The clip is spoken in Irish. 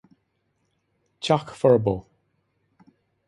Teach Furbo.